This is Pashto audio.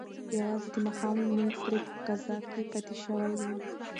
یوازې د ماښام لمونځ ترې په قضا کې پاتې شوی و.